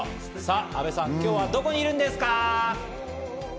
阿部さん、今日はどこにいるんですか？